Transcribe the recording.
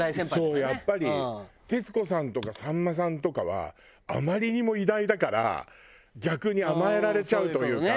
そうやっぱり徹子さんとかさんまさんとかはあまりにも偉大だから逆に甘えられちゃうというか。